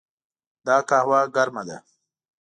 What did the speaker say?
دا قهوه ګرمه ده.